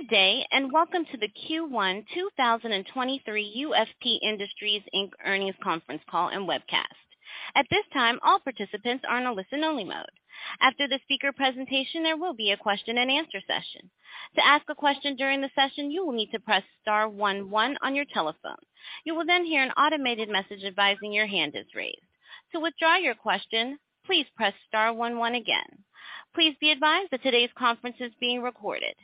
Good day. Welcome to the Q1 2023 UFP Industries, Inc. Earnings Conference Call and Webcast. At this time, all participants are in a listen-only mode. After the speaker presentation, there will be a question-and-answer session. To ask a question during the session, you will need to press star one one on your telephone. You will hear an automated message advising your hand is raised. To withdraw your question, please press star one one again. Please be advised that today's conference is being recorded.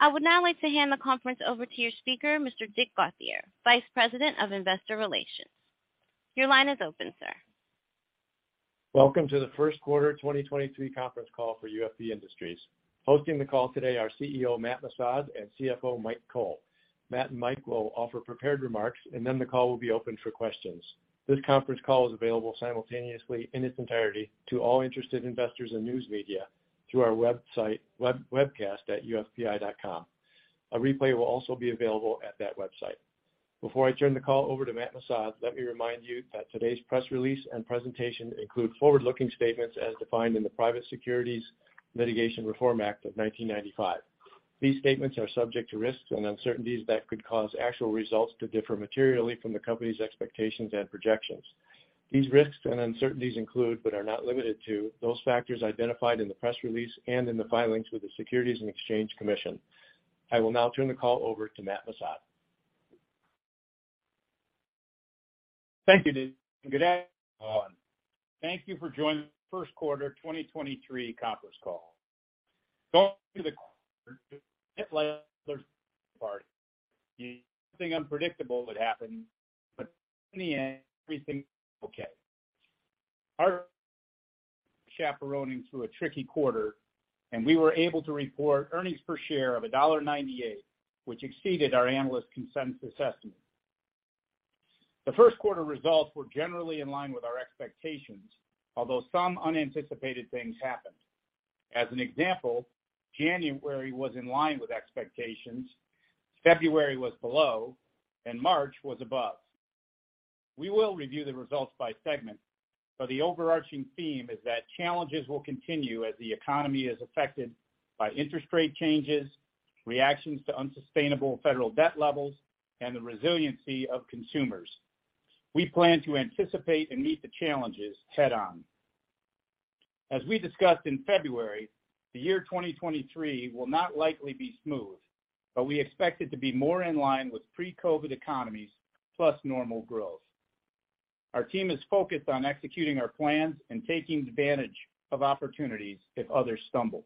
I would now like to hand the conference over to your speaker, Mr. Dick Gauthier, Vice President of Investor Relations. Your line is open, sir. Welcome to the 1st quarter 2023 conference call for UFP Industries. Hosting the call today are CEO Matt Missad and CFO Mike Cole. Matt and Mike will offer prepared remarks, and then the call will be open for questions. This conference call is available simultaneously in its entirety to all interested investors and news media through our website webcast at ufpi.com. A replay will also be available at that website. Before I turn the call over to Matt Missad, let me remind you that today's press release and presentation include forward-looking statements as defined in the Private Securities Litigation Reform Act of 1995. These statements are subject to risks and uncertainties that could cause actual results to differ materially from the company's expectations and projections. These risks and uncertainties include, but are not limited to, those factors identified in the press release and in the filings with the Securities and Exchange Commission. I will now turn the call over to Matt Missad. Thank you Dick. Good afternoon, everyone. Thank you for joining the first quarter 2023 conference call. Going through the Hitler's party. You think unpredictable would happen, in the end, everything okay. Our chaperoning through a tricky quarter, we were able to report earnings per share of $1.98, which exceeded our analyst consensus estimate. The first quarter results were generally in line with our expectations, although some unanticipated things happened. As an example, January was in line with expectations, February was below, and March was above. We will review the results by segment, the overarching theme is that challenges will continue as the economy is affected by interest rate changes, reactions to unsustainable federal debt levels, and the resiliency of consumers. We plan to anticipate and meet the challenges head on. We discussed in February, the year 2023 will not likely be smooth, but we expect it to be more in line with pre-COVID economies plus normal growth. Our team is focused on executing our plans and taking advantage of opportunities if others stumble.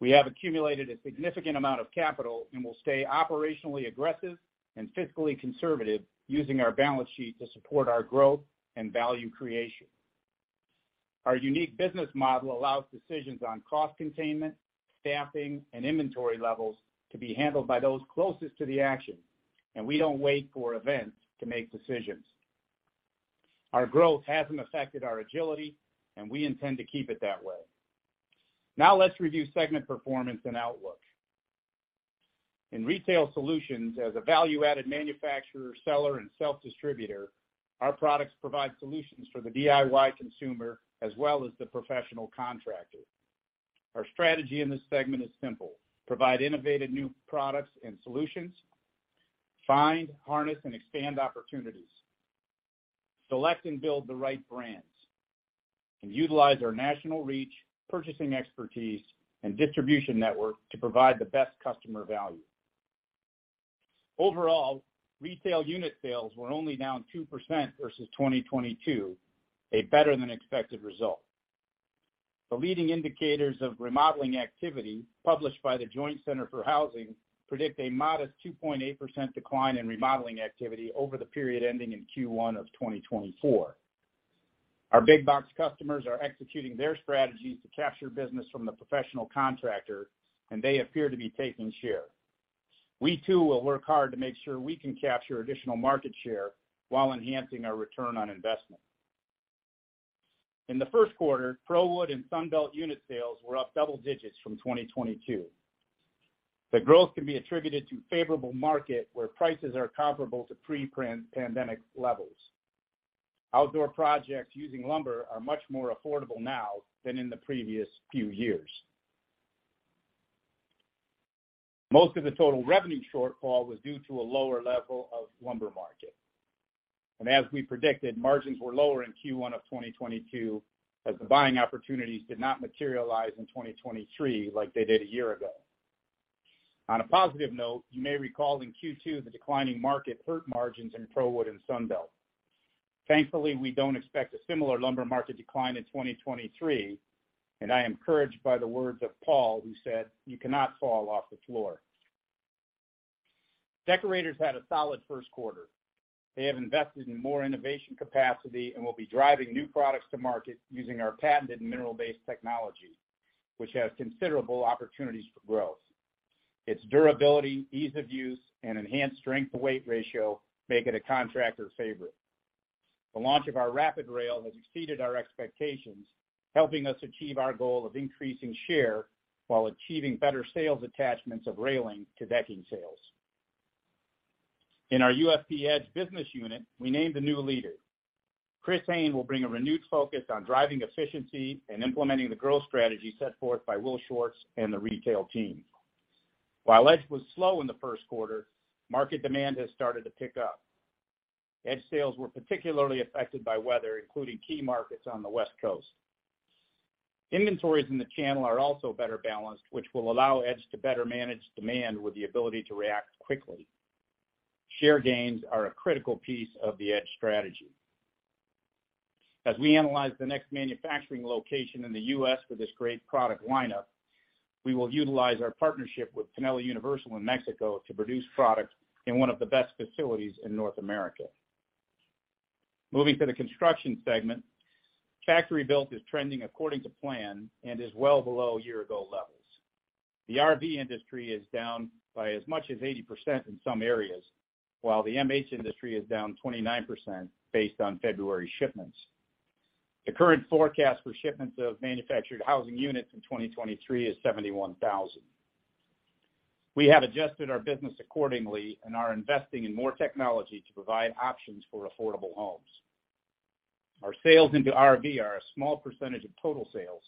We have accumulated a significant amount of capital and will stay operationally aggressive and fiscally conservative using our balance sheet to support our growth and value creation. Our unique business model allows decisions on cost containment, staffing, and inventory levels to be handled by those closest to the action, and we don't wait for events to make decisions. Our growth hasn't affected our agility, and we intend to keep it that way. Let's review segment performance and outlook. In retail solutions, as a value-added manufacturer, seller, and self-distributor, our products provide solutions for the DIY consumer as well as the professional contractor. Our strategy in this segment is simple: provide innovative new products and solutions, find, harness, and expand opportunities, select and build the right brands, and utilize our national reach, purchasing expertise, and distribution network to provide the best customer value. Overall, retail unit sales were only down 2% versus 2022, a better-than-expected result. The leading indicators of remodeling activity published by the Joint Center for Housing Studies predict a modest 2.8% decline in remodeling activity over the period ending in Q1 of 2024. Our big box customers are executing their strategies to capture business from the professional contractor, and they appear to be taking share. We, too, will work hard to make sure we can capture additional market share while enhancing our return on investment. In the first quarter, ProWood and Sunbelt unit sales were up double digits from 2022. The growth can be attributed to favorable market where prices are comparable to pre-pan-pandemic levels. Outdoor projects using lumber are much more affordable now than in the previous few years. Most of the total revenue shortfall was due to a lower level of lumber market. As we predicted, margins were lower in Q1 of 2022 as the buying opportunities did not materialize in 2023 like they did a year ago. On a positive note, you may recall in Q2, the declining market hurt margins in ProWood and Sunbelt. Thankfully, we don't expect a similar lumber market decline in 2023, and I am encouraged by the words of Paul who said, "You cannot fall off the floor." Deckorators had a solid first quarter. They have invested in more innovation capacity and will be driving new products to market using our patented mineral-based technology, which has considerable opportunities for growth. Its durability, ease of use, and enhanced strength-to-weight ratio make it a contractor favorite. The launch of our Rapid Rail has exceeded our expectations, helping us achieve our goal of increasing share while achieving better sales attachments of railing to decking sales. In our UFP-Edge business unit, we named a new leader. Chris Hain will bring a renewed focus on driving efficiency and implementing the growth strategy set forth by Will Schwartz and the retail team. While Edge was slow in the first quarter, market demand has started to pick up. Edge sales were particularly affected by weather, including key markets on the West Coast. Inventories in the channel are also better balanced, which will allow Edge to better manage demand with the ability to react quickly. Share gains are a critical piece of the Edge strategy. As we analyze the next manufacturing location in the U.S. for this great product lineup, we will utilize our partnership with Paneles Universales in Mexico to produce product in one of the best facilities in North America. Moving to the Construction segment, factory-built is trending according to plan and is well below year-ago levels. The RV industry is down by as much as 80% in some areas, while the MH industry is down 29% based on February shipments. The current forecast for shipments of manufactured housing units in 2023 is 71,000. We have adjusted our business accordingly and are investing in more technology to provide options for affordable homes. Our sales into RV are a small percentage of total sales,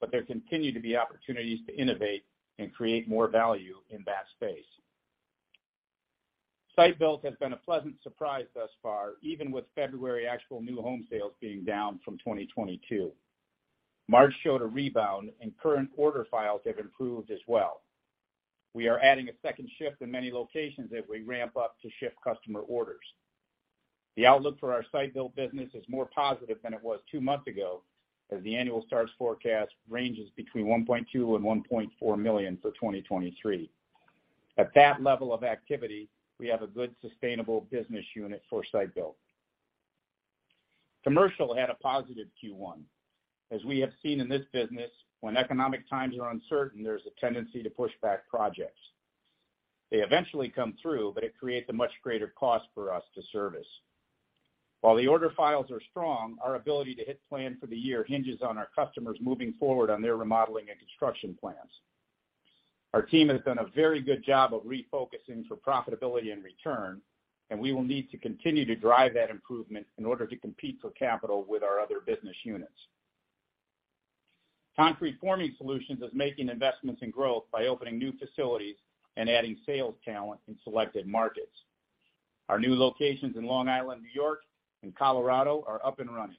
but there continue to be opportunities to innovate and create more value in that space. Site build has been a pleasant surprise thus far, even with February actual new home sales being down from 2022. March showed a rebound and current order files have improved as well. We are adding a second shift in many locations as we ramp up to ship customer orders. The outlook for our site build business is more positive than it was two months ago, as the annual starts forecast ranges between 1.2 million and 1.4 million for 2023. At that level of activity, we have a good sustainable business unit for site build. Commercial had a positive Q1. As we have seen in this business, when economic times are uncertain, there's a tendency to push back projects. They eventually come through, but it creates a much greater cost for us to service. While the order files are strong, our ability to hit plan for the year hinges on our customers moving forward on their remodeling and construction plans. Our team has done a very good job of refocusing for profitability and return, and we will need to continue to drive that improvement in order to compete for capital with our other business units. Concrete Forming Solutions is making investments in growth by opening new facilities and adding sales talent in selected markets. Our new locations in Long Island, New York, and Colorado are up and running.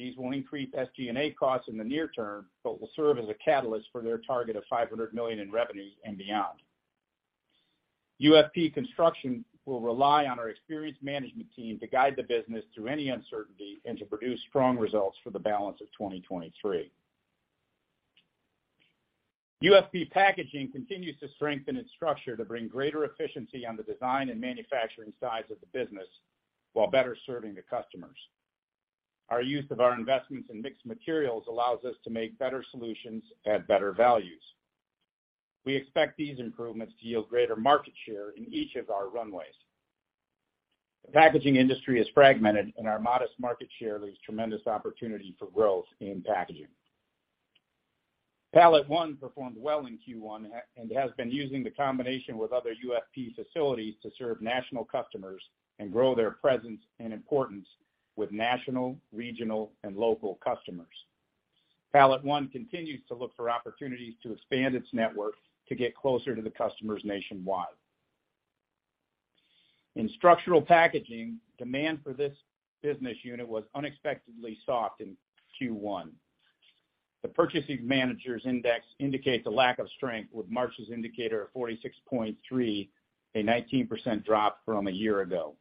These will increase SG&A costs in the near term, but will serve as a catalyst for their target of $500 million in revenue and beyond. UFP Construction will rely on our experienced management team to guide the business through any uncertainty and to produce strong results for the balance of 2023. UFP Packaging continues to strengthen its structure to bring greater efficiency on the design and manufacturing sides of the business while better serving the customers. Our use of our investments in mixed materials allows us to make better solutions at better values. We expect these improvements to yield greater market share in each of our runways. The packaging industry is fragmented, and our modest market share leaves tremendous opportunity for growth in packaging. PalletOne performed well in Q1 and has been using the combination with other UFP facilities to serve national customers and grow their presence and importance with national, regional, and local customers. PalletOne continues to look for opportunities to expand its network to get closer to the customers nationwide. In structural packaging, demand for this business unit was unexpectedly soft in Q1. The Purchasing Managers' Index indicates a lack of strength with March's indicator of 46.3, a 19% drop from a year ago.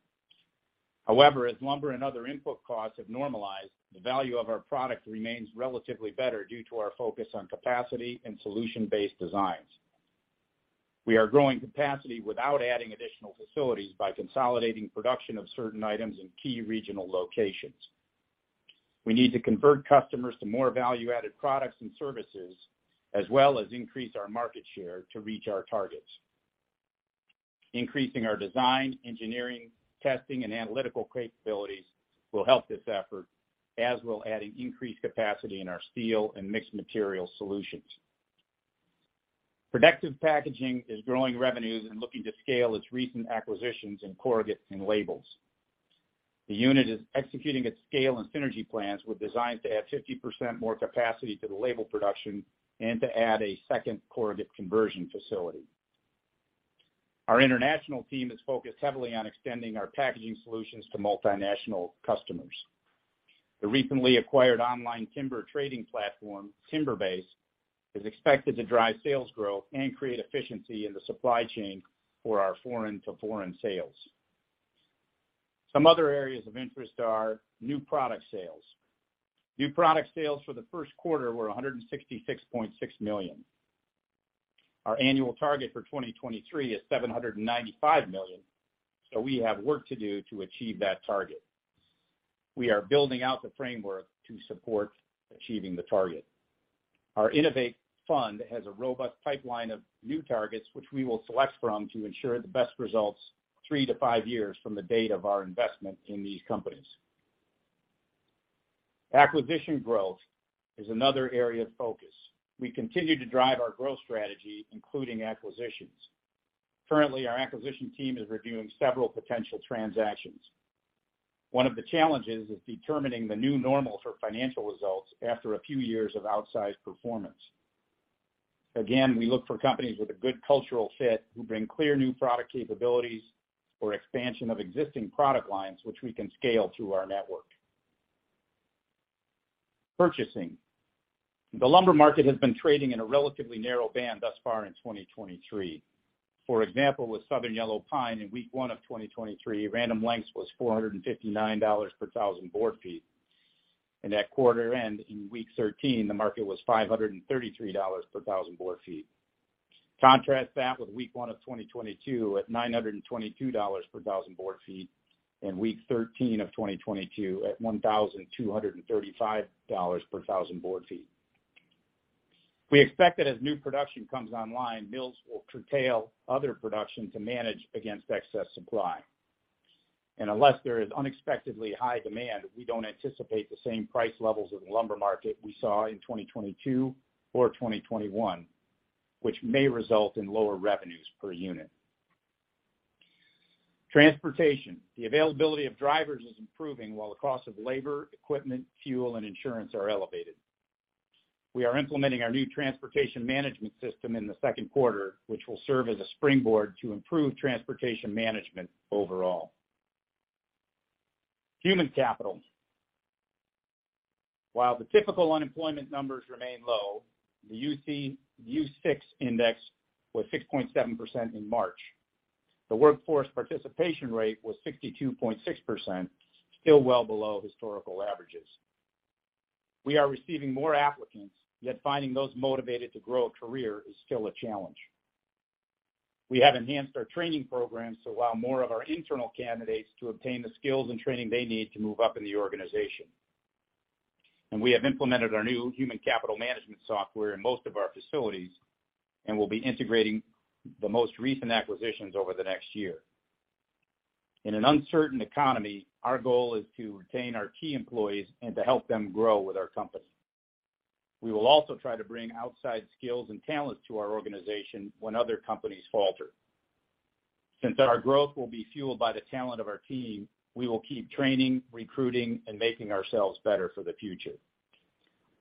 As lumber and other input costs have normalized, the value of our product remains relatively better due to our focus on capacity and solution-based designs. We are growing capacity without adding additional facilities by consolidating production of certain items in key regional locations. We need to convert customers to more value-added products and services as well as increase our market share to reach our targets. Increasing our design, engineering, testing, and analytical capabilities will help this effort, as will adding increased capacity in our steel and mixed material solutions. Protective Packaging is growing revenues and looking to scale its recent acquisitions in corrugate and labels. The unit is executing its scale and synergy plans with designs to add 50% more capacity to the label production and to add a second corrugate conversion facility. Our international team is focused heavily on extending our packaging solutions to multinational customers. The recently acquired online timber trading platform, Timberbase, is expected to drive sales growth and create efficiency in the supply chain for our foreign-to-foreign sales. Some other areas of interest are new product sales. New product sales for the first quarter were $166.6 million. Our annual target for 2023 is $795 million. We have work to do to achieve that target. We are building out the framework to support achieving the target. Our Innovate Fund has a robust pipeline of new targets, which we will select from to ensure the best results three to five years from the date of our investment in these companies. Acquisition growth is another area of focus. We continue to drive our growth strategy, including acquisitions. Currently, our acquisition team is reviewing several potential transactions. One of the challenges is determining the new normal for financial results after a few years of outsized performance. Again, we look for companies with a good cultural fit who bring clear new product capabilities or expansion of existing product lines which we can scale through our network. Purchasing. The lumber market has been trading in a relatively narrow band thus far in 2023. For example, with southern yellow pine in week one of 2023, Random Lengths was $459 per 1,000 board feet. At quarter-end, in week 13, the market was $533 per 1,000 board feet. Contrast that with week 1 of 2022 at $922 per 1,000 board feet and week 13 of 2022 at $1,235 per 1,000 board feet. We expect that as new production comes online, mills will curtail other production to manage against excess supply. Unless there is unexpectedly high demand, we don't anticipate the same price levels in the lumber market we saw in 2022 or 2021, which may result in lower revenues per unit. Transportation. The availability of drivers is improving while the cost of labor, equipment, fuel, and insurance are elevated. We are implementing our new transportation management system in the second quarter, which will serve as a springboard to improve transportation management overall. Human capital. While the typical unemployment numbers remain low, the U-6 index was 6.7% in March. The workforce participation rate was 62.6%, still well below historical averages. We are receiving more applicants, yet finding those motivated to grow a career is still a challenge. We have enhanced our training programs to allow more of our internal candidates to obtain the skills and training they need to move up in the organization. We have implemented our new human capital management software in most of our facilities and will be integrating the most recent acquisitions over the next year. In an uncertain economy, our goal is to retain our key employees and to help them grow with our company. We will also try to bring outside skills and talents to our organization when other companies falter. Since our growth will be fueled by the talent of our team, we will keep training, recruiting, and making ourselves better for the future.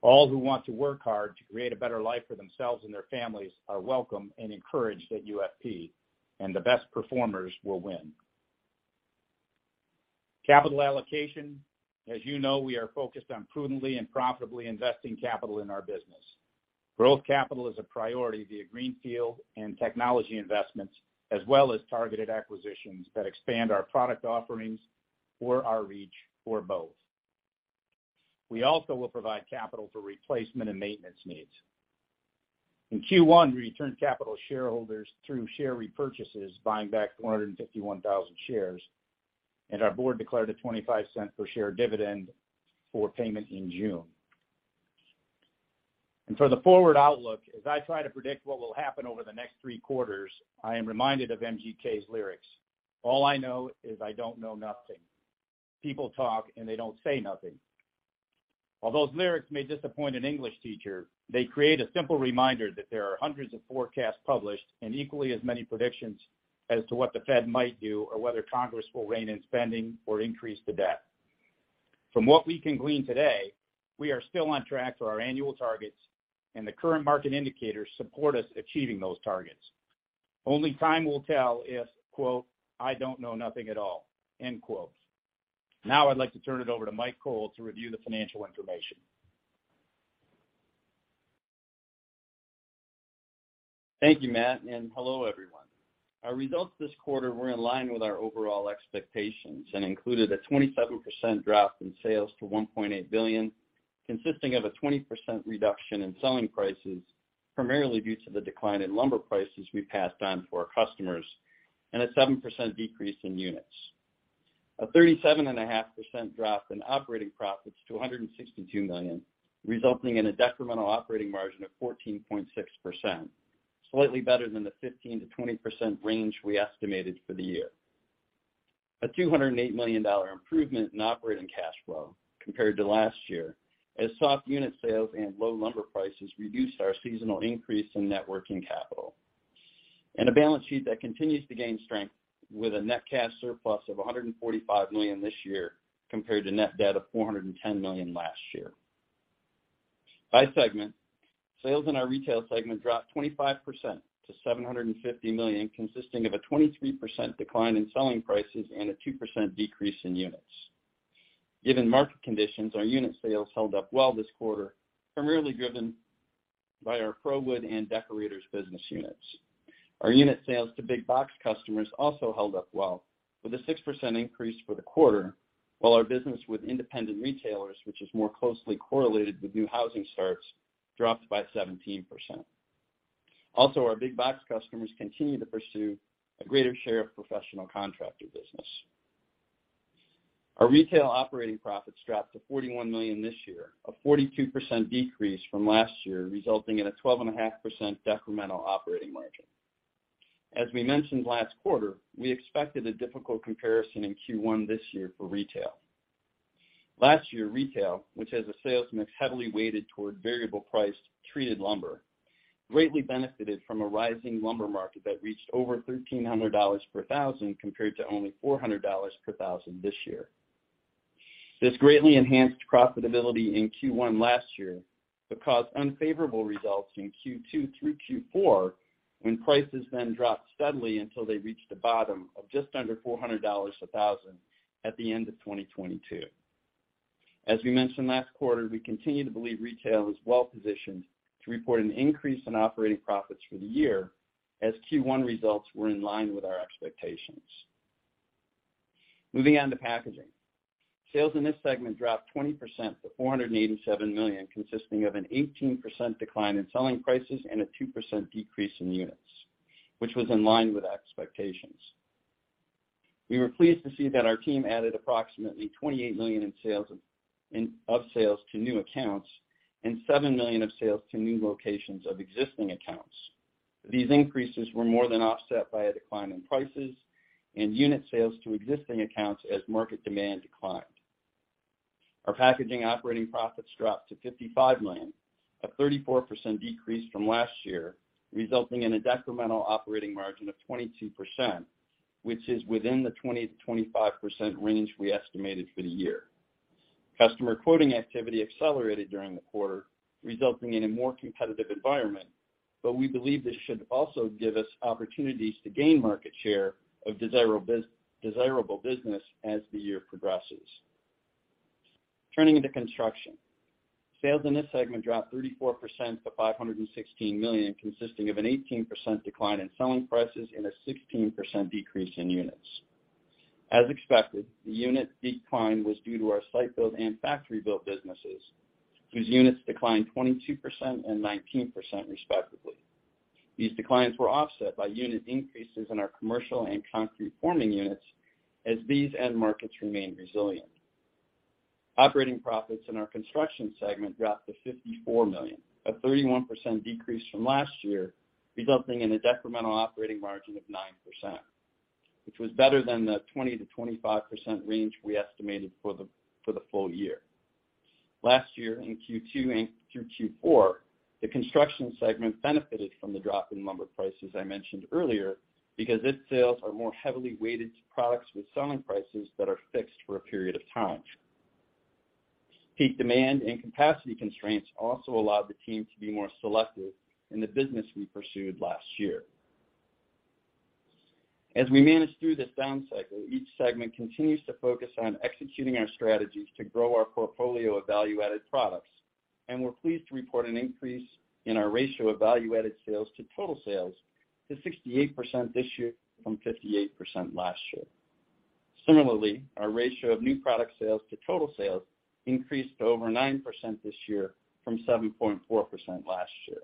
All who want to work hard to create a better life for themselves and their families are welcome and encouraged at UFP. The best performers will win. Capital allocation. As you know, we are focused on prudently and profitably investing capital in our business. Growth capital is a priority via greenfield and technology investments, as well as targeted acquisitions that expand our product offerings or our reach for both. We also will provide capital for replacement and maintenance needs. In Q1, we returned capital to shareholders through share repurchases, buying back 451,000 shares, and our board declared a $0.25 per share dividend for payment in June. For the forward outlook, as I try to predict what will happen over the next three quarters, I am reminded of MGK's lyrics: "All I know is I don't know nothing. People talk, and they don't say nothing." While those lyrics may disappoint an English teacher, they create a simple reminder that there are hundreds of forecasts published and equally as many predictions as to what the Fed might do or whether Congress will rein in spending or increase the debt. From what we can glean today, we are still on track for our annual targets, and the current market indicators support us achieving those targets. Only time will tell if, quote, "I don't know nothing at all," end quote. Now I'd like to turn it over to Mike Cole to review the financial information. Thank you, Matt. Hello, everyone. Our results this quarter were in line with our overall expectations and included a 27% drop in sales to $1.8 billion, consisting of a 20% reduction in selling prices, primarily due to the decline in lumber prices we passed on to our customers and a 7% decrease in units. A 37.5% drop in operating profits to $162 million, resulting in a decremental operating margin of 14.6%, slightly better than the 15%-20% range we estimated for the year. A $208 million improvement in operating cash flow compared to last year as soft unit sales and low lumber prices reduced our seasonal increase in net working capital. A balance sheet that continues to gain strength with a net cash surplus of $145 million this year compared to net debt of $410 million last year. By segment, sales in our retail segment dropped 25% to $750 million, consisting of a 23% decline in selling prices and a 2% decrease in units. Given market conditions, our unit sales held up well this quarter, primarily driven by our ProWood and Deckorators business units. Our unit sales to big box customers also held up well with a 6% increase for the quarter, while our business with independent retailers, which is more closely correlated with new housing starts, dropped by 17%. Our big box customers continue to pursue a greater share of professional contractor business. Our retail operating profits dropped to $41 million this year, a 42% decrease from last year, resulting in a 12 and a half percent decremental operating margin. We mentioned last quarter, we expected a difficult comparison in Q1 this year for retail. Last year, retail, which has a sales mix heavily weighted toward variable priced treated lumber, greatly benefited from a rising lumber market that reached over $1,300 per thousand, compared to only $400 per thousand this year. This greatly enhanced profitability in Q1 last year, caused unfavorable results in Q2 through Q4, when prices then dropped steadily until they reached a bottom of just under $400 a thousand at the end of 2022. As we mentioned last quarter, we continue to believe retail is well-positioned to report an increase in operating profits for the year, as Q1 results were in line with our expectations. Moving on to Packaging. Sales in this segment dropped 20% to $487 million, consisting of an 18% decline in selling prices and a 2% decrease in units, which was in line with expectations. We were pleased to see that our team added approximately $28 million of sales to new accounts, and $7 million of sales to new locations of existing accounts. These increases were more than offset by a decline in prices and unit sales to existing accounts as market demand declined. Our packaging operating profits dropped to $55 million, a 34% decrease from last year, resulting in a decremental operating margin of 22%, which is within the 20%-25% range we estimated for the year. Customer quoting activity accelerated during the quarter, resulting in a more competitive environment. We believe this should also give us opportunities to gain market share of desirable business as the year progresses. Turning into Construction. Sales in this segment dropped 34% to $516 million, consisting of an 18% decline in selling prices and a 16% decrease in units. As expected, the unit decline was due to our site build and factory build businesses, whose units declined 22% and 19% respectively. These declines were offset by unit increases in our commercial and concrete forming units as these end markets remained resilient. Operating profits in our construction segment dropped to $54 million, a 31% decrease from last year, resulting in a decremental operating margin of 9%, which was better than the 20%-25% range we estimated for the full year. Last year, in Q2 through Q4, the construction segment benefited from the drop in lumber prices I mentioned earlier because its sales are more heavily weighted to products with selling prices that are fixed for a period of time. Peak demand and capacity constraints also allowed the team to be more selective in the business we pursued last year. As we manage through this down cycle, each segment continues to focus on executing our strategies to grow our portfolio of value-added products. We're pleased to report an increase in our ratio of value-added sales to total sales to 68% this year from 58% last year. Similarly, our ratio of new product sales to total sales increased to over 9% this year from 7.4% last year.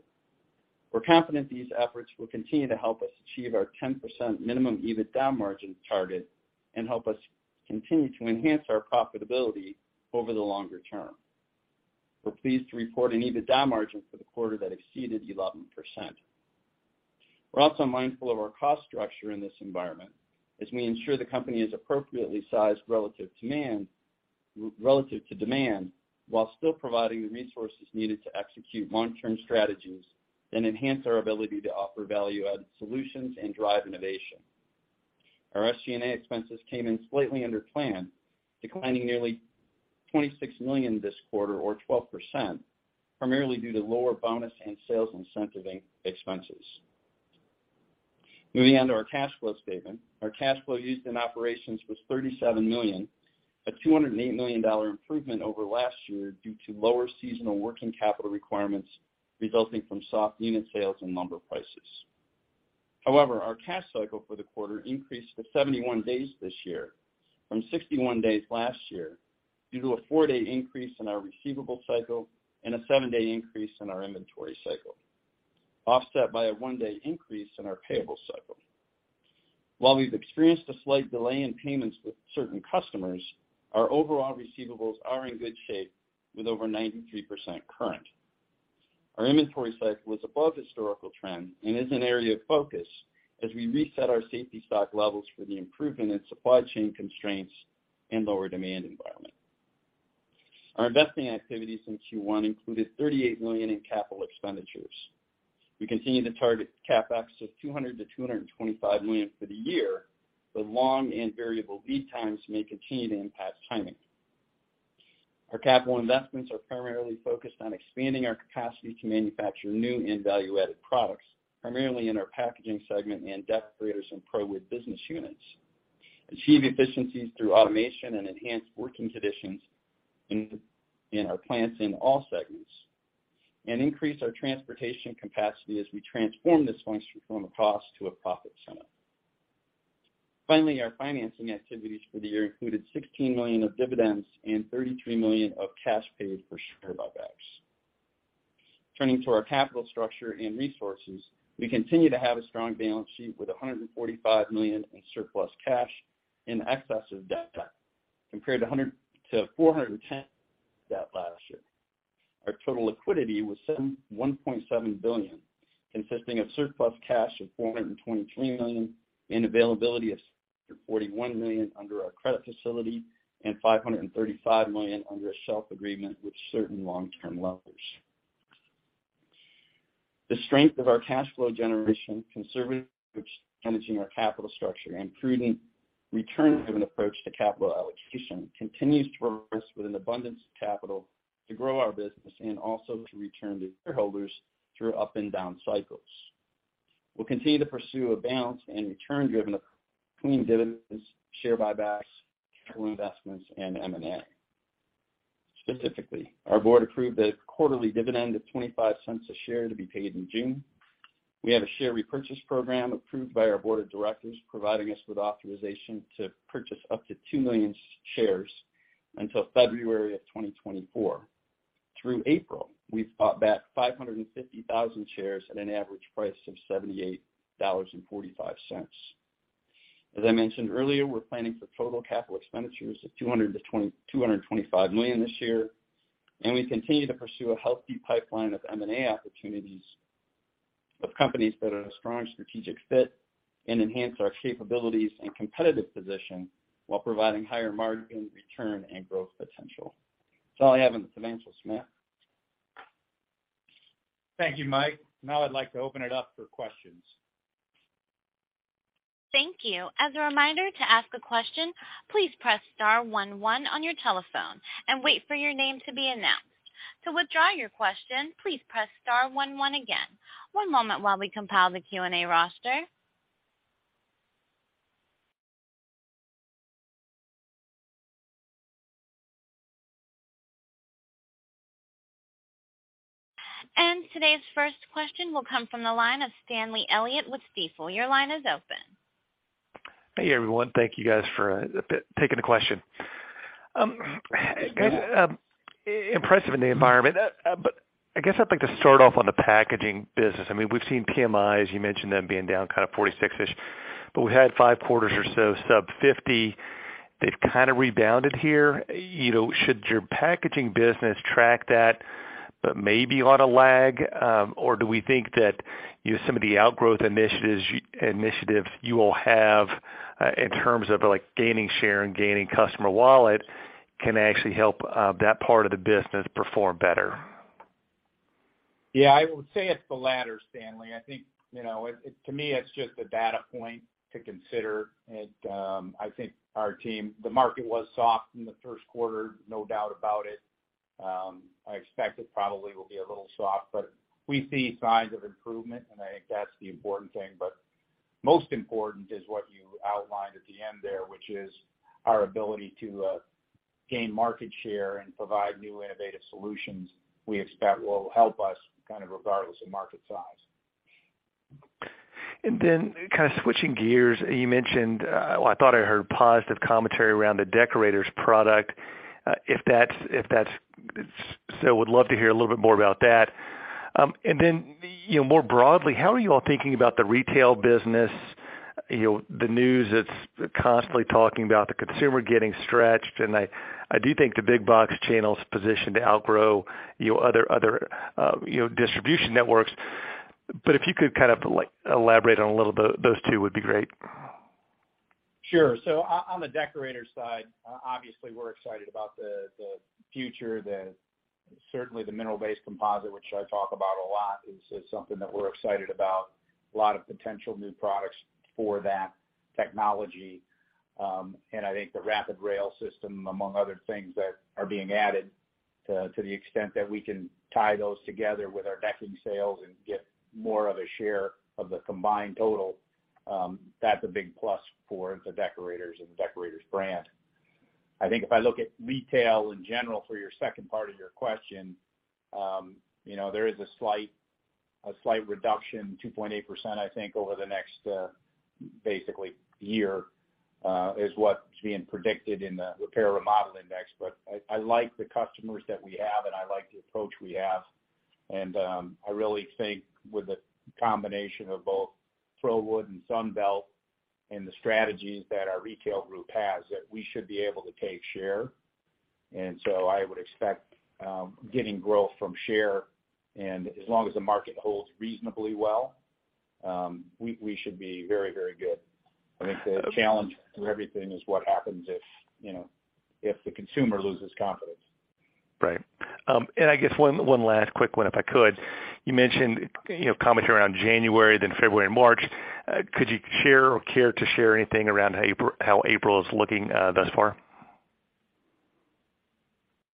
We're confident these efforts will continue to help us achieve our 10% minimum EBITDA margin target and help us continue to enhance our profitability over the longer term. We're pleased to report an EBITDA margin for the quarter that exceeded 11%. We're also mindful of our cost structure in this environment as we ensure the company is appropriately sized relative to demand, while still providing the resources needed to execute long-term strategies and enhance our ability to offer value-added solutions and drive innovation. Our SG&A expenses came in slightly under plan, declining nearly $26 million this quarter or 12%, primarily due to lower bonus and sales incentive expenses. Moving on to our cash flow statement. Our cash flow used in operations was $37 million, a $208 million improvement over last year due to lower seasonal working capital requirements resulting from soft unit sales and lumber prices. Our cash cycle for the quarter increased to 71 days this year from 61 days last year due to a four-day increase in our receivable cycle and a seven-day increase in our inventory cycle, offset by a one-day increase in our payable cycle. While we've experienced a slight delay in payments with certain customers, our overall receivables are in good shape with over 93% current. Our inventory cycle is above historical trend and is an area of focus as we reset our safety stock levels for the improvement in supply chain constraints and lower demand environment. Our investing activities in Q1 included $38 million in capital expenditures. We continue to target CapEx of $200 million-$225 million for the year, but long and variable lead times may continue to impact timing. Our capital investments are primarily focused on expanding our capacity to manufacture new and value-added products, primarily in our packaging segment and Deckorators and ProWood business units, achieve efficiencies through automation and enhanced working conditions in our plants in all segments, and increase our transportation capacity as we transform this function from a cost to a profit center. Finally, our financing activities for the year included $16 million of dividends and $33 million of cash paid for share buybacks. Turning to our capital structure and resources, we continue to have a strong balance sheet with $145 million in surplus cash in excess of debt compared to $410 debt last year. Our total liquidity was $1.7 billion, consisting of surplus cash of $423 million and availability of $441 million under our credit facility and $535 million under a shelf agreement with certain long-term lenders. The strength of our cash flow generation, conservative managing our capital structure and prudent return driven approach to capital allocation continues to progress with an abundance of capital to grow our business and also to return to shareholders through up and down cycles. We'll continue to pursue a balance and return driven between dividends, share buybacks, capital investments and M&A. Specifically, our board approved a quarterly dividend of $0.25 a share to be paid in June. We have a share repurchase program approved by our board of directors, providing us with authorization to purchase up to 2 million shares until February of 2024. Through April, we've bought back 550,000 shares at an average price of $78.45. As I mentioned earlier, we're planning for total capital expenditures of $200 million-$225 million this year, and we continue to pursue a healthy pipeline of M&A opportunities with companies that are a strong strategic fit and enhance our capabilities and competitive position while providing higher margin return and growth potential. That's all I have on the financial, Smith. Thank you, Mike. Now I'd like to open it up for questions. Thank you. As a reminder to ask a question, please press star one one on your telephone and wait for your name to be announced. To withdraw your question, please press star one one again. One moment while we compile the Q&A roster. Today's first question will come from the line of Stanley Elliott with Stifel. Your line is open. Hey, everyone. Thank you, guys for taking the question. Impressive in the environment. I guess I'd like to start off on the packaging business. I mean, we've seen PMIs, you mentioned them being down kind of 46-ish, we had five quarters or so sub 50. They've kind of rebounded here. You know, should your packaging business track that, maybe on a lag? Do we think that,, some of the outgrowth initiatives initiative you will have, in terms of like, gaining share and gaining customer wallet can actually help that part of the business perform better? Yeah, I would say it's the latter, Stanley. I think it, to me, it's just a data point to consider. I think our team, the market was soft in the first quarter, no doubt about it. I expect it probably will be a little soft, but we see signs of improvement and I think that's the important thing. Most important is what you outlined at the end there, which is our ability to gain market share and provide new innovative solutions we expect will help us kind of regardless of market size. Then kind of switching gears, you mentioned, well, I thought I heard positive commentary around the Deckorators product, if that's. Would love to hear a little bit more about that. Then, more broadly, how are you all thinking about the retail business? You know, the news that's constantly talking about the consumer getting stretched, and I do think the big box channel is positioned to outgrow, other distribution networks. If you could kind of like, elaborate on a little bit those two would be great. Sure. On the Deckorators side, obviously we're excited about the future that certainly the mineral-based composite, which I talk about a lot, is something that we're excited about, a lot of potential new products for that technology. And I think the Rapid Rail system, among other things that are being added, to the extent that we can tie those together with our decking sales and get more of a share of the combined total, that's a big plus for the Deckorators and the Deckorators brand. I think if I look at retail in general for your second part of your question, you know, there is a slight reduction, 2.8%, I think over the next basically year, is what's being predicted in the repair remodel index. I like the customers that we have, and I like the approach we have. I really think with the combination of both ProWood and Sunbelt and the strategies that our retail group has, that we should be able to take share. I would expect getting growth from share. As long as the market holds reasonably well, we should be very, very good. I think the challenge to everything is what happens if the consumer loses confidence. Right. I guess one last quick one, if I could. You mentioned, commentary around January, then February and March. Could you share or care to share anything around how April is looking thus far?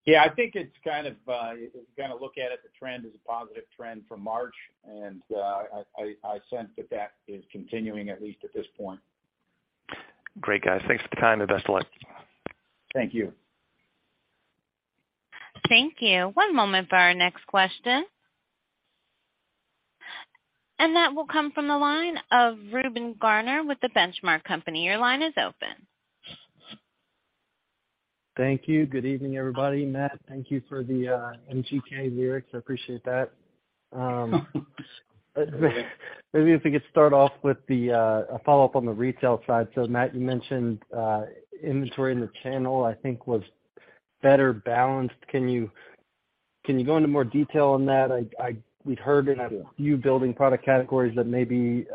Yeah, I think it's kind of, if you kind of look at it, the trend is a positive trend from March. I sense that that is continuing, at least at this point. Great, guys. Thanks for the time and best of luck. Thank you. Thank you. One moment for our next question. That will come from the line of Reuben Garner with The Benchmark Company. Your line is open. Thank you. Good evening, everybody. Matt, thank you for the MGK lyrics. I appreciate that. Maybe if we could start off with the a follow-up on the retail side. Matt, you mentioned, inventory in the channel, I think, was better balanced. Can you go into more detail on that? We've heard in a few building product categories that maybe,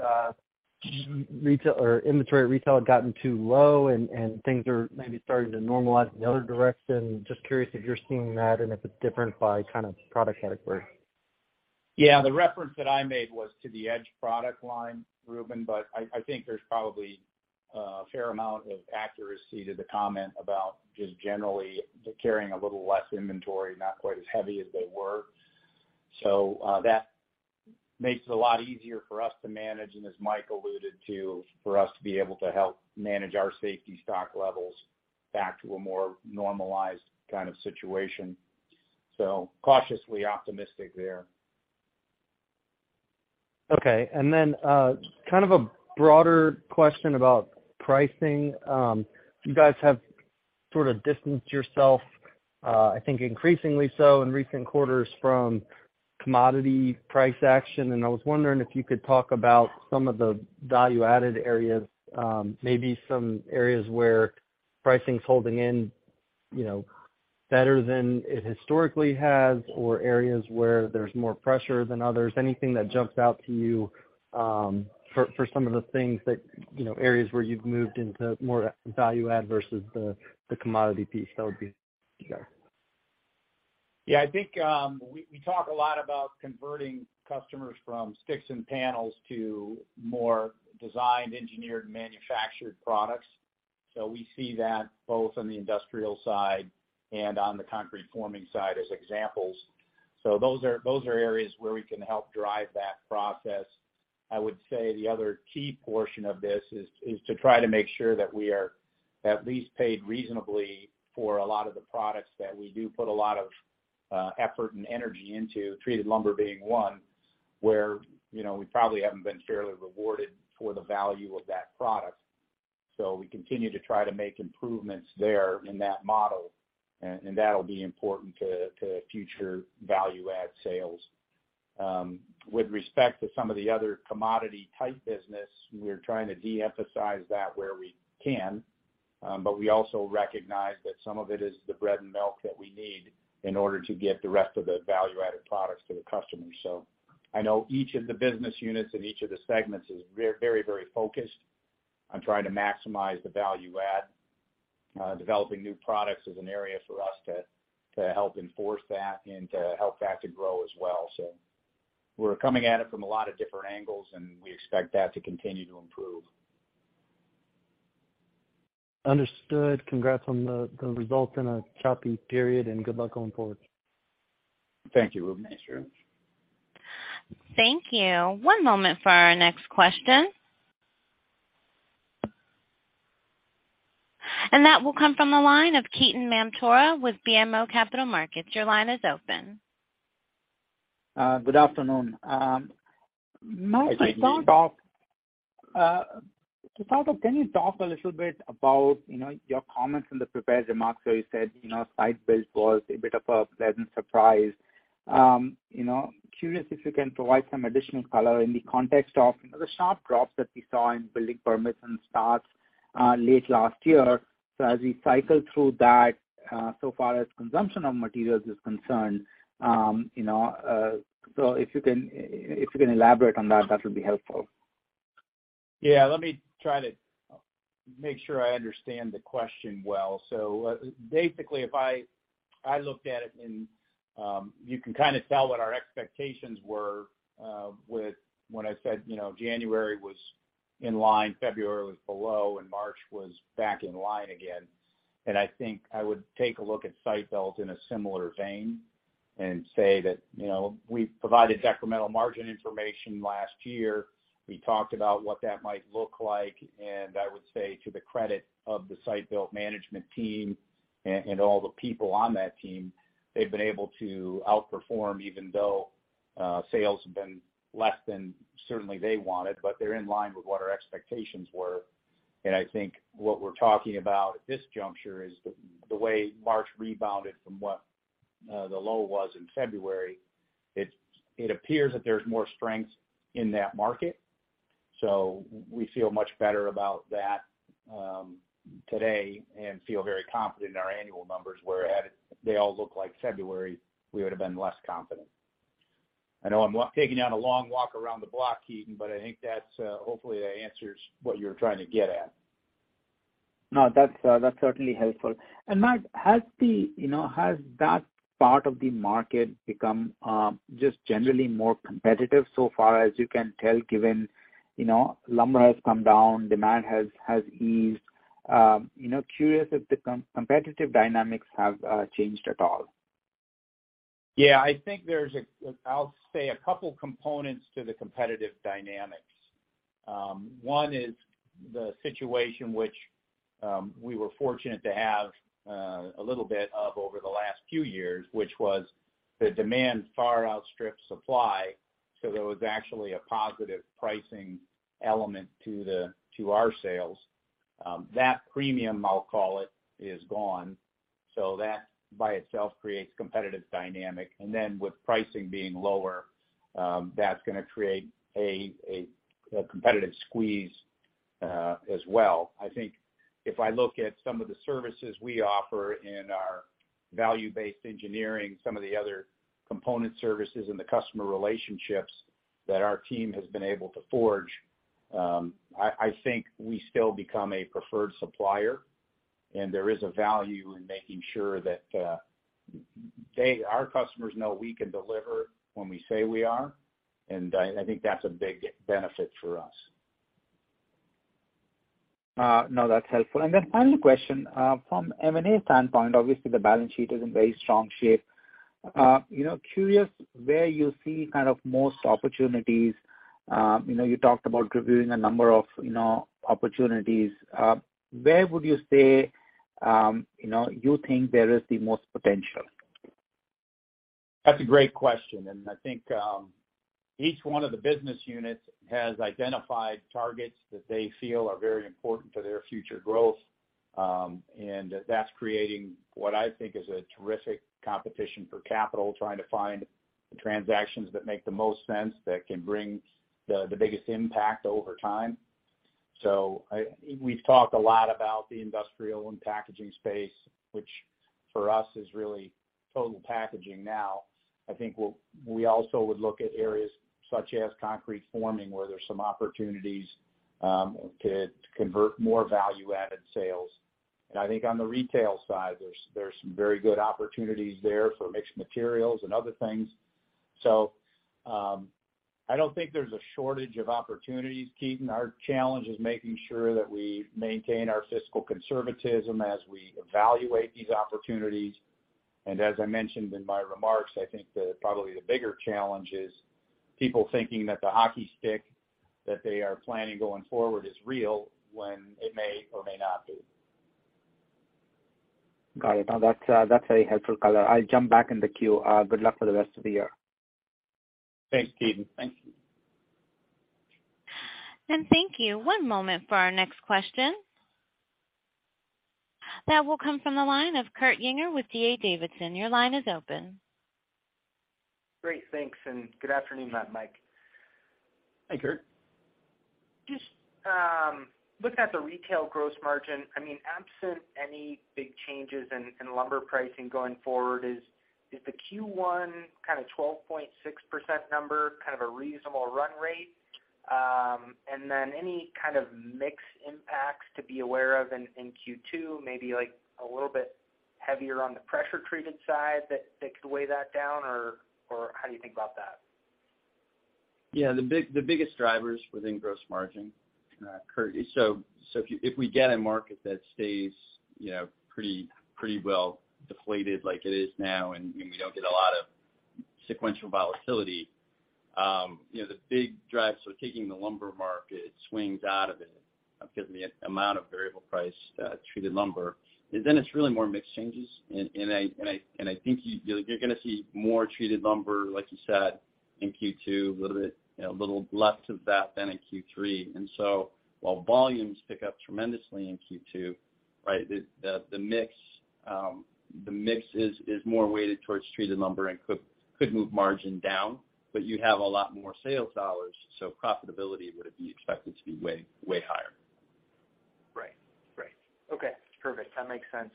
or inventory at retail had gotten too low and things are maybe starting to normalize in the other direction. Curious if you're seeing that and if it's different by kind of product category. Yeah. The reference that I made was to the Edge product line, Reuben, but I think there's probably a fair amount of accuracy to the comment about just generally carrying a little less inventory, not quite as heavy as they were. That makes it a lot easier for us to manage, and as Mike alluded to, for us to be able to help manage our safety stock levels back to a more normalized kind of situation. Cautiously optimistic there. Okay. kind of a broader question about pricing. You guys have sort of distanced yourself, I think increasingly so in recent quarters from commodity price action. I was wondering if you could talk about some of the value-added areas, maybe some areas where pricing is holding in, better than it historically has, or areas where there's more pressure than others. Anything that jumps out to you, for some of the things that, areas where you've moved into more value add versus the commodity piece, that would be. Yeah. I think, we talk a lot about converting customers from sticks and panels to more designed, engineered, manufactured products. We see that both on the industrial side and on the concrete forming side as examples. Those are areas where we can help drive that process. I would say the other key portion of this is to try to make sure that we are at least paid reasonably for a lot of the products that we do put a lot of effort and energy into, treated lumber being one, where, we probably haven't been fairly rewarded for the value of that product. We continue to try to make improvements there in that model, and that'll be important to future value add sales. With respect to some of the other commodity type business, we're trying to de-emphasize that where we can, but we also recognize that some of it is the bread and milk that we need in order to get the rest of the value-added products to the customers. I know each of the business units in each of the segments is very, very focused on trying to maximize the value add. Developing new products is an area for us to help enforce that and to help that to grow as well. We're coming at it from a lot of different angles, and we expect that to continue to improve. Understood. Congrats on the results in a choppy period, and good luck going forward. Thank you, Reuben. Thanks very much. Thank you. One moment for our next question. That will come from the line of Ketan Mamtora with BMO Capital Markets. Your line is open. Good afternoon. Mike- Hey, Ketan. To start off, to start off, can you talk a little bit about, you know, your comments in the prepared remarks where you said, site build was a bit of a pleasant surprise? You know, curious if you can provide some additional color in the context of, the sharp drops that we saw in building permits and starts late last year. As we cycle through that, so far as consumption of materials is concerned,, so if you can elaborate on that would be helpful. Yeah. Let me try to make sure I understand the question well. Basically, if I looked at it and, you can kind of tell what our expectations were, with when I said, you know, January was in line, February was below, and March was back in line again. I think I would take a look at site build in a similar vein and say that, you know, we provided incremental margin information last year. We talked about what that might look like, and I would say to the credit of the site build management team and all the people on that team, they've been able to outperform even though, sales have been less than certainly they wanted, but they're in line with what our expectations were. I think what we're talking about at this juncture is the way March rebounded from what, the low was in February. It appears that there's more strength in that market. We feel much better about that today and feel very confident in our annual numbers, where had they all looked like February, we would have been less confident. I know I'm taking you on a long walk around the block, Ketan, I think that's hopefully that answers what you're trying to get at. No, that's certainly helpful. Matt, has the, you know, has that part of the market become, just generally more competitive so far as you can tell, given, you know, lumber has come down, demand has eased? You know, curious if the competitive dynamics have changed at all? I think there's a couple components to the competitive dynamics. One is the situation which we were fortunate to have a little bit of over the last few years, which was the demand far outstripped supply. There was actually a positive pricing element to our sales. That premium, I'll call it, is gone. That by itself creates competitive dynamic. Then with pricing being lower, that's gonna create a competitive squeeze as well. I think if I look at some of the services we offer in our value-based engineering, some of the other component services and the customer relationships that our team has been able to forge, I think we still become a preferred supplier. There is a value in making sure that our customers know we can deliver when we say we are. I think that's a big benefit for us. No, that's helpful. Final question, from M&A standpoint, obviously the balance sheet is in very strong shape. You know, curious where you see kind of most opportunities? You know, you talked about reviewing a number of, you know, opportunities. Where would you say, you know, you think there is the most potential? That's a great question. Each one of the business units has identified targets that they feel are very important to their future growth. That's creating what I think is a terrific competition for capital, trying to find the transactions that make the most sense that can bring the biggest impact over time. We've talked a lot about the industrial and packaging space, which for us is really total packaging now. We also would look at areas such as concrete forming, where there's some opportunities to convert more value-added sales. On the retail side, there's some very good opportunities there for mixed materials and other things. I don't think there's a shortage of opportunities, Ketan. Our challenge is making sure that we maintain our fiscal conservatism as we evaluate these opportunities. As I mentioned in my remarks, I think probably the bigger challenge is people thinking that the hockey stick that they are planning going forward is real when it may or may not be. Got it. No, that's very helpful color. I'll jump back in the queue. Good luck for the rest of the year. Thanks, Ketan. Thank you. Thank you. One moment for our next question. That will come from the line of Kurt Yinger with D.A. Davidson. Your line is open. Great. Thanks, and good afternoon, Mike. Hi, Kurt. Just looking at the retail gross margin, I mean, absent any big changes in lumber pricing going forward, is the Q1 kind of 12.6% number kind of a reasonable run rate? Then any kind of mix impacts to be aware of in Q2, maybe like a little bit heavier on the pressure treated side that could weigh that down or how do you think about that? Yeah. The biggest drivers within gross margin, Kurt, is if we get a market that stays, you know, pretty well deflated like it is now and we don't get a lot of sequential volatility, you know, the big drives for taking the lumber market swings out of it, given the amount of variable price, treated lumber, then it's really more mix changes. I think you know you're gonna see more treated lumber, like you said, in Q2, a little bit, you know, a little less of that than in Q3. While volumes pick up tremendously in Q2, right, the mix is more weighted towards treated lumber and could move margin down, but you have a lot more sales dollars, so profitability would be expected to be way higher. Right. Right. Okay. Perfect. That makes sense.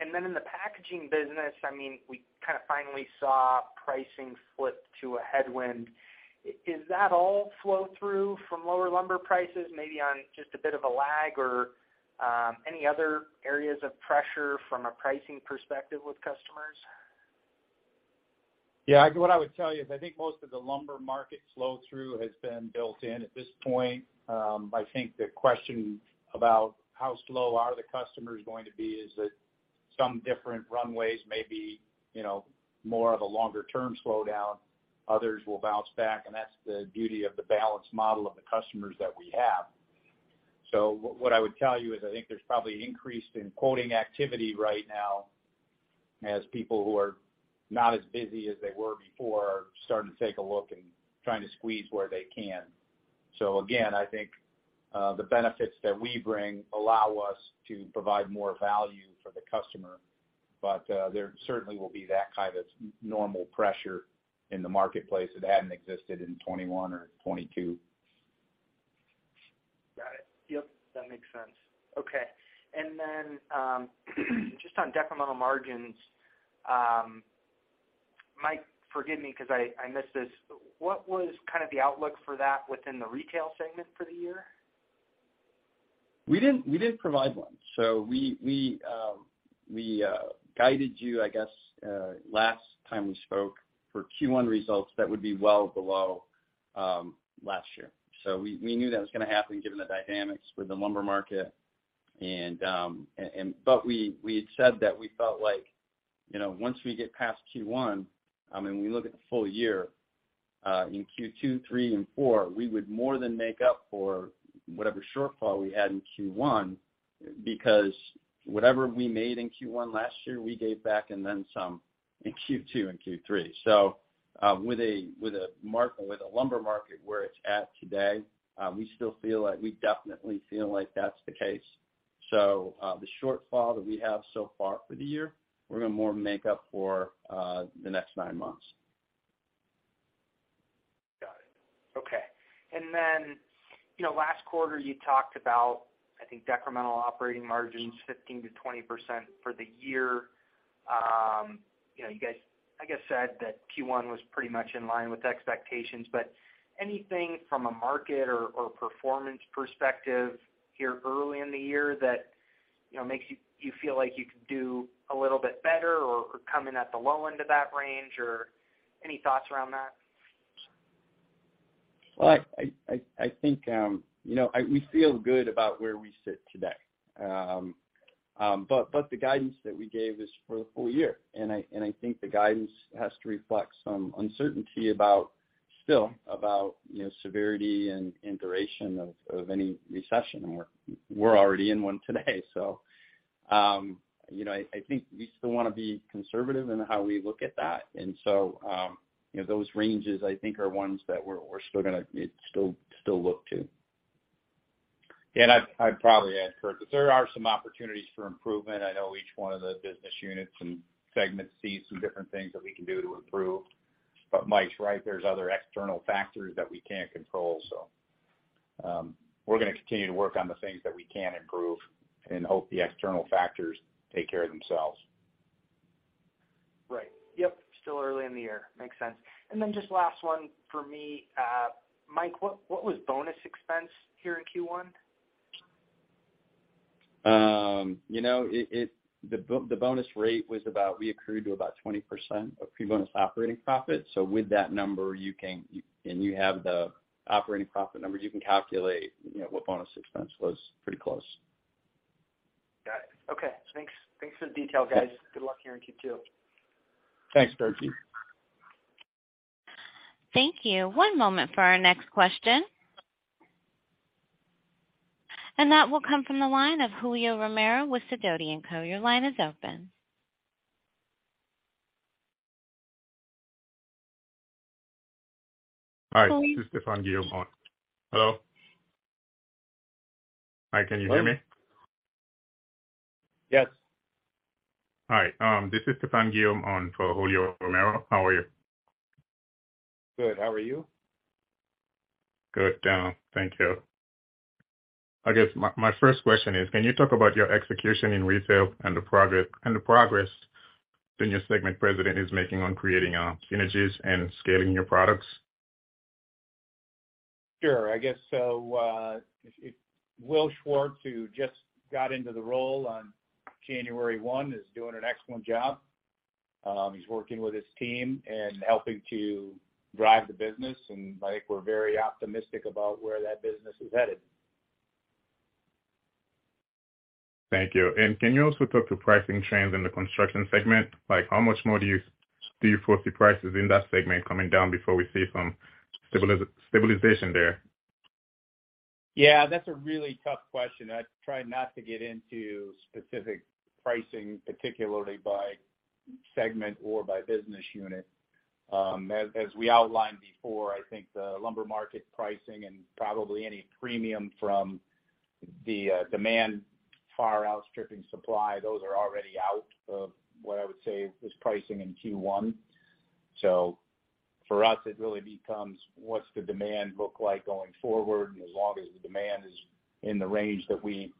In the packaging business, I mean, we kind of finally saw pricing flip to a headwind. Is that all flow through from lower lumber prices, maybe on just a bit of a lag or any other areas of pressure from a pricing perspective with customers? Yeah. What I would tell you is I think most of the lumber market flow through has been built in at this point. I think the question about how slow are the customers going to be is that some different runways may be, more of a longer-term slowdown. Others will bounce back, and that's the beauty of the balanced model of the customers that we have. What I would tell you is I think there's probably an increase in quoting activity right now as people who are not as busy as they were before are starting to take a look and trying to squeeze where they can. Again, I think, the benefits that we bring allow us to provide more value for the customer, but, there certainly will be that kind of normal pressure in the marketplace that hadn't existed in 2021 or 2022. Got it. Yep, that makes sense. Okay. Just on incremental margins, Mike, forgive me because I missed this. What was kind of the outlook for that within the retail segment for the year? We didn't provide one. We, we guided you, I guess, last time we spoke for Q1 results that would be well below last year. We, we knew that was going to happen given the dynamics with the lumber market and, but we had said that we felt like, once we get past Q1, I mean, we look at the full year, in Q2, Q3 and Q4, we would more than make up for whatever shortfall we had in Q1 because whatever we made in Q1 last year, we gave back and then some in Q2 and Q3. With a lumber market where it's at today, we definitely feel like that's the case. The shortfall that we have so far for the year, we're gonna more make up for the next nine months. Got it. Okay. Then, last quarter you talked about, I think, decremental operating margins 15%-20% for the year. You know, you guys, I guess, said that Q1 was pretty much in line with the expectations. Anything from a market or performance perspective here early in the year that, makes you feel like you could do a little bit better or come in at the low end of that range, or any thoughts around that? Well, I think, you know, we feel good about where we sit today. but the guidance that we gave is for the full year, and I think the guidance has to reflect some uncertainty still about, severity and duration of any recession. We're already in one today. You know, I think we still wanna be conservative in how we look at that. You know, those ranges, I think, are ones that we're still gonna still look to. I'd probably add, Kurt, that there are some opportunities for improvement. I know each one of the business units and segments see some different things that we can do to improve. Mike's right, there's other external factors that we can't control. We're gonna continue to work on the things that we can improve and hope the external factors take care of themselves. Right. Yep. Still early in the year. Makes sense. Then just last one for me. Mike, what was bonus expense here in Q1? You know, the bonus rate was about, we accrued to about 20% of pre-bonus operating profit. With that number, and you have the operating profit numbers, you can calculate, what bonus expense was pretty close. Got it. Okay. Thanks. Thanks for the detail, guys. Good luck here in Q2. Thanks, Kurt. Thank you. One moment for our next question. That will come from the line of Julio Romero with Sidoti & Co. Your line is open. Hi, this is Stephane Guillaume. Hello? Hi, can you hear me? Yes. Hi, this is Stephane Guillaume on for Julio Romero. How are you? Good. How are you? Good. Thank you. I guess my first question is, can you talk about your execution in retail and the progress the new segment president is making on creating synergies and scaling your products? Sure. I guess so, Will Schwartz, who just got into the role on 1 January is doing an excellent job. He's working with his team and helping to drive the business, and I think we're very optimistic about where that business is headed. Thank you. Can you also talk to pricing trends in the construction segment? Like, how much more do you foresee prices in that segment coming down before we see some stabilization there? Yeah, that's a really tough question. I try not to get into specific pricing, particularly by segment or by business unit. As we outlined before, I think the lumber market pricing and probably any premium from the demand far outstripping supply, those are already out of what I would say is pricing in Q1. For us, it really becomes what's the demand look like going forward. As long as the demand is in the range that we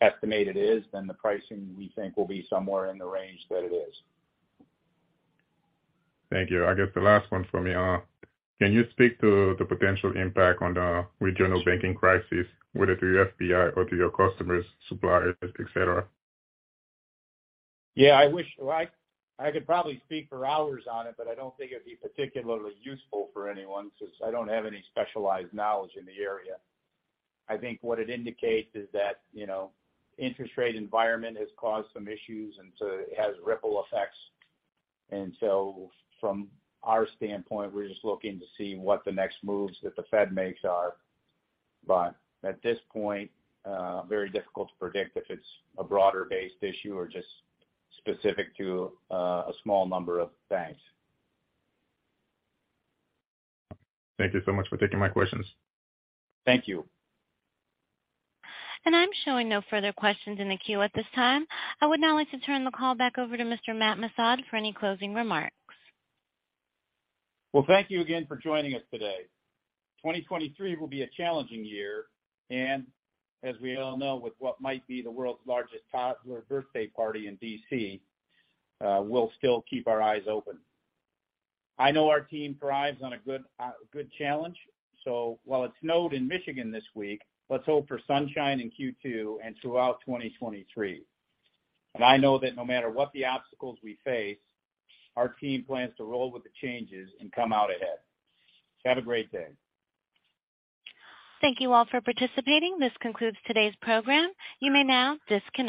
estimate it is, then the pricing we think will be somewhere in the range that it is. Thank you. I guess the last one from me. Can you speak to the potential impact on the regional banking crisis, whether to your EBITDA or to your customers, suppliers, et cetera? Yeah, well, I could probably speak for hours on it, but I don't think it'd be particularly useful for anyone since I don't have any specialized knowledge in the area. I think what it indicates is that, interest rate environment has caused some issues. It has ripple effects. From our standpoint, we're just looking to see what the next moves that the Fed makes are. At this point, very difficult to predict if it's a broader-based issue or just specific to a small number of banks. Thank you so much for taking my questions. Thank you. I'm showing no further questions in the queue at this time. I would now like to turn the call back over to Mr. Matt Missad for any closing remarks. Well, thank you again for joining us today. 2023 will be a challenging year. As we all know, with what might be the world's largest toddler birthday party in D.C., we'll still keep our eyes open. I know our team thrives on a good, a good challenge. While it snowed in Michigan this week, let's hope for sunshine in Q2 and throughout 2023. I know that no matter what the obstacles we face, our team plans to roll with the changes and come out ahead. Have a great day. Thank you all for participating. This concludes today's program. You may now disconnect.